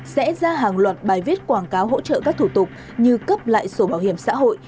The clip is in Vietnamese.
sẽ ra hàng loạt bài viết quảng cáo hỗ trợ các thủ tục như cấp lại sổ bảo hiểm xã hội